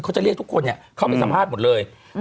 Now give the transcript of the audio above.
เขาจะเรียกทุกคนเนี่ยเข้าไปสัมภาษณ์หมดเลยอืม